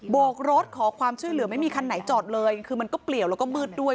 กรถขอความช่วยเหลือไม่มีคันไหนจอดเลยคือมันก็เปลี่ยวแล้วก็มืดด้วย